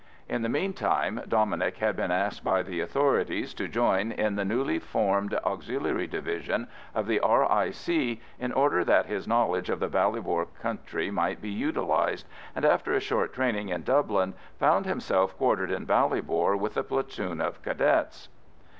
In the meantime Dominic had been asked by the authorities to join the newly formed Auxiliary Division of the R.I.C., in order that his knowledge of the Ballybor country might be utilised, and after a short training in Dublin found himself quartered in Ballybor with a platoon of Cadets.